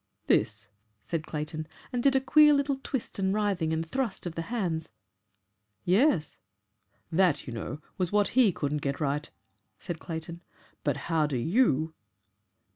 "This," said Clayton, and did a queer little twist and writhing and thrust of the hands. "Yes." "That, you know, was what HE couldn't get right," said Clayton. "But how do YOU